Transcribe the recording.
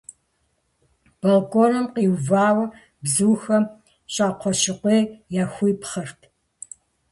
Балконым къиувауэ бзухэм щӏакхъуэ щыкъуей яхуипхъырт.